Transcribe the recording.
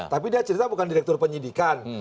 tapi dia cerita bukan direktur penyidikan